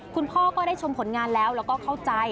คุณพ่อก็ได้ชมผลงานแล้วแล้วก็เข้าใจ